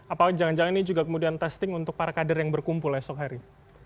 apakah jangan jangan ini juga kemudian testing untuk para kader yang berkumpul esok hari